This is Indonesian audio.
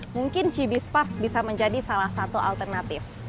mungkin chibispark bisa menjadi salah satu alternatif